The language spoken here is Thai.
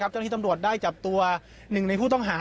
เจ้าหน้าที่ตำรวจได้จับตัวหนึ่งในผู้ต้องหา